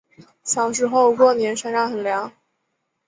小时候过年山上很凉